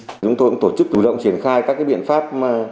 chúng tôi cũng tổ chức chủ động triển khai các biện pháp